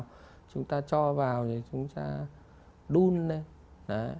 thì chúng ta đun lên